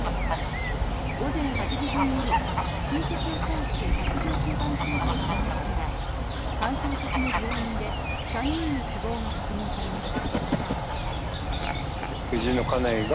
午前８時半ごろ、親戚を介して１１９番通報されましたが搬送先の病院で３人の死亡が確認されました。